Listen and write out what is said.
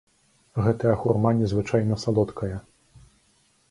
Гэтая хурма незвычайна салодкая.